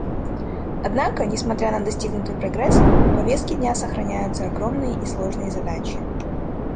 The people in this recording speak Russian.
Однако, несмотря на достигнутый прогресс, в повестке дня сохраняются огромные и сложные задачи.